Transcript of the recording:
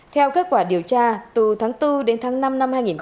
theo kết quả điều tra từ tháng bốn đến tháng năm năm hai nghìn một mươi năm